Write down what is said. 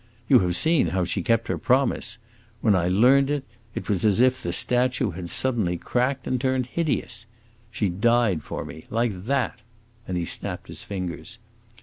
You have seen how she kept her promise! When I learned it, it was as if the statue had suddenly cracked and turned hideous. She died for me, like that!" And he snapped his fingers.